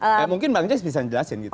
ya mungkin pak gies bisa njelasin gitu